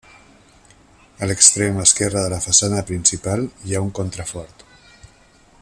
A l'extrem esquerre de la façana principal hi ha un contrafort.